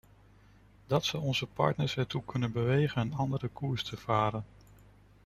Dat zou onze partners ertoe kunnen bewegen een andere koers te varen.